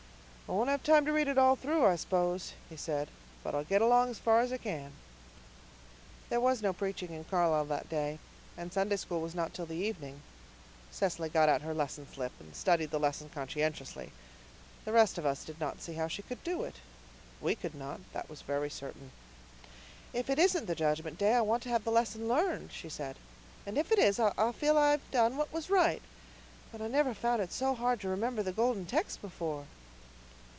"I won't have time to read it all through, I s'pose," he said, "but I'll get along as far as I can." There was no preaching in Carlisle that day, and Sunday School was not till the evening. Cecily got out her Lesson Slip and studied the lesson conscientiously. The rest of us did not see how she could do it. We could not, that was very certain. "If it isn't the Judgment Day, I want to have the lesson learned," she said, "and if it is I'll feel I've done what was right. But I never found it so hard to remember the Golden Text before."